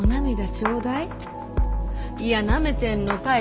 頂戴いやなめてんのかい？